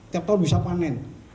tiap tahun bisa panen